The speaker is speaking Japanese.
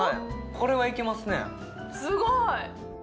これはいけますねすごい！